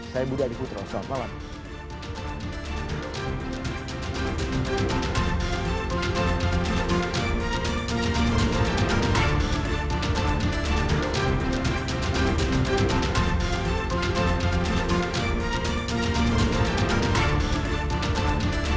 saya budi adi kutro selamat malam